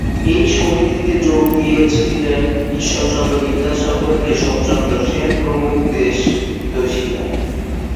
এই সমিতিতে যোগ দিয়েছিলেন ঈশ্বরচন্দ্র বিদ্যাসাগর, কেশবচন্দ্র সেন প্রমুখ দেশ হিতৈষীরা।